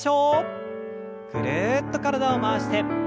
ぐるっと体を回して。